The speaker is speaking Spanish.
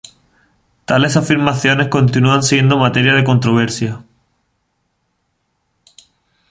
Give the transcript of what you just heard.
Tales afirmaciones continúan siendo materia de controversia.